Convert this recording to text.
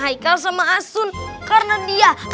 hasilnya masih rag ordinance